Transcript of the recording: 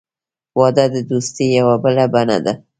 • واده د دوستۍ یوه بله بڼه ده.